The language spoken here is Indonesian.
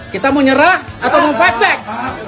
kita mau nyerah atau mau fight back